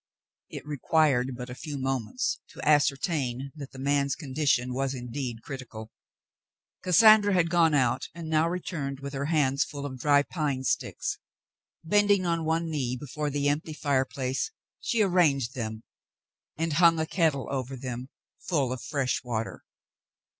It required but a few moments to ascertain that the man's condition was indeed critical. Cassandra had gone out and now returned with her hands full of dry pine sticks. Bending on one knee before the empty fireplace, she arranged them and hung a kettle over them full of fresh water.